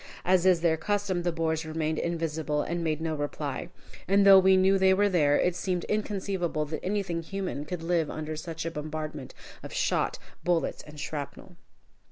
As is their custom, the Boers remained invisible and made no reply. And though we knew they were there, it seemed inconceivable that anything human could live under such a bombardment of shot, bullets, and shrapnel.